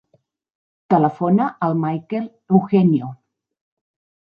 Telefona al Mikel Eugenio.